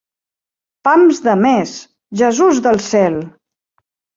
Pams de més, Jesús del cel!